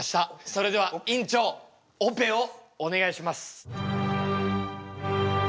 それでは院長オペをお願いします。